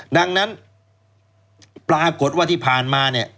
ดังนั้นปรากฏว่าที่ผ่านมาเนี่ย